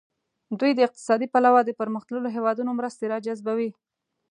دوی د اقتصادي پلوه د پرمختللو هیوادونو مرستې را جذبوي.